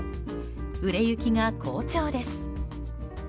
売れ行きが好調です。